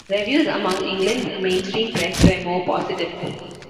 Reviews among England's mainstream press were more positive.